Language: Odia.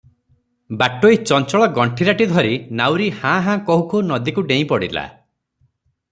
ବାଟୋଇ ଚଞ୍ଚଳ ଗଣ୍ଠିରାଟି ଧରି, ନାଉରୀ ହାଁ ହାଁ କହୁଁ କହୁଁ ନଦୀକୁ ଡେଇଁ ପଡିଲା ।